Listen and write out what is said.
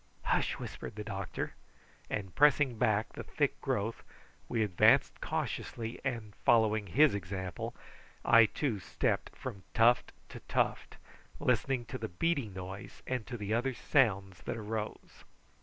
"Hush!" whispered the doctor; and pressing back the thick growth we advanced cautiously, and following his example I, too, stepped from tuft to tuft, listening to the beating noise and to the other sounds that arose.